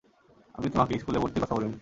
আমি তোমাকে স্কুলে ভর্তির কথা বলিনি?